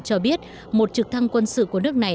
cho biết một trực thăng quân sự của nước này